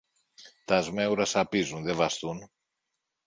Τα σμέουρα σαπίζουν, δε βαστούν!